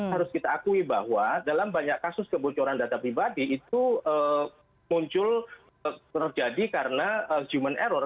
harus kita akui bahwa dalam banyak kasus kebocoran data pribadi itu muncul terjadi karena human error